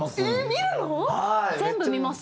全部見ます？